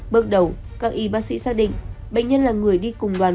bước đầu các y bác sĩ xác định bệnh nhân là người đi cùng đoàn